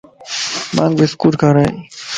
مانک بسڪوٽ ڪارائي